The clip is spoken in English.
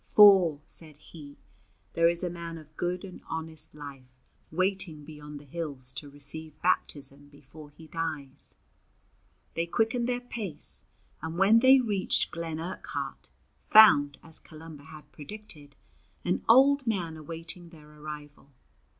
"For," said he, "there is a man of good and honest life waiting beyond the hills to receive baptism before he dies." They quickened their pace, and when they reached Glen Urquhart, found, as Columba had predicted, an old man awaiting their arrival.